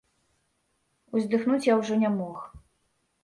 Уздыхнуць я ўжо не мог.